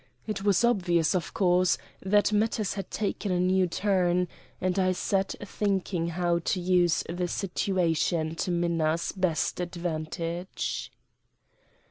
It was obvious, of course, that matters had taken a new turn, and I sat thinking how to use the situation to Minna's best advantage.